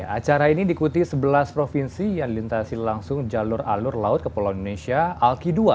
acara ini diikuti sebelas provinsi yang dilintasi langsung jalur alur laut kepulauan indonesia alki dua